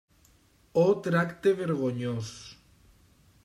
O tracte vergonyós!